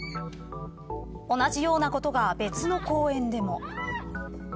同じようなことが別の公園でも。